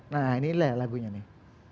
nah ini lagunya nih